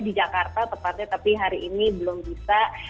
di jakarta tepatnya tapi hari ini belum bisa